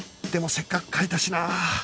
でもせっかく書いたしな